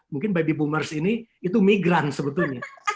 mungkin baby boomers ini itu migran sebetulnya